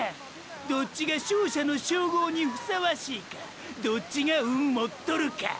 どっちが勝者の称号にふさわしいかどっちが運もっとるか！！